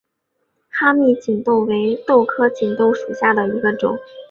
哈密棘豆为豆科棘豆属下的一个种。